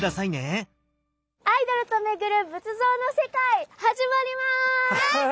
「アイドルと巡る仏像の世界」始まります！